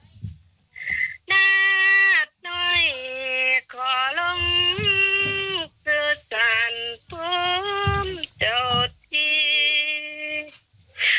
นาดน้อยขอลงสื่อสารพร้อมเจ้าที่